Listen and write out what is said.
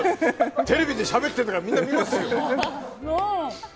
テレビでしゃべってるんだからみんな見ますよ。